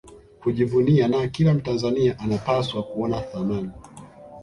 kujivunia na kila Mtanzania anapaswa kuona thamani